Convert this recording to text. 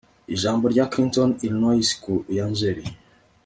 Ijambo rya Clinton Illinois ku ya Nzeri